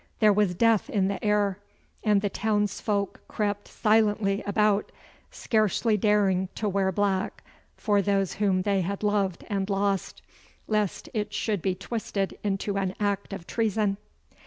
There was death in the air, and the townsfolk crept silently about, scarcely daring to wear black for those whom they had loved and lost, lest it should be twisted into an act of treason.